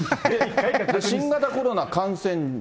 新型コロナ感染時。